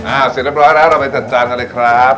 เสร็จเรียบร้อยแล้วเราไปจัดจานกันเลยครับ